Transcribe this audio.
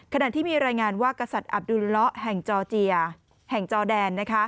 ขนาดที่มีรายงานว่ากษัตริย์อับดูลละแห่งจอดแดน